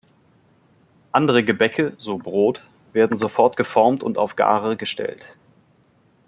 Andere Gebäcke, so Brot, werden sofort geformt und auf Gare gestellt.